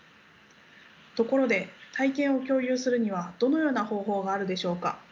ところで体験を共有するにはどのような方法があるでしょうか。